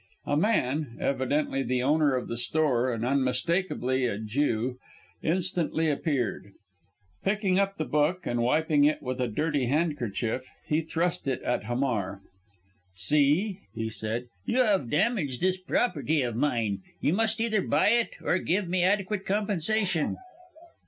A man, evidently the owner of the store, and unmistakably a Jew, instantly appeared. Picking up the book, and wiping it with a dirty handkerchief, he thrust it at Hamar. "See!" he said, "you have damaged this property of mine. You must either buy it or give me adequate compensation."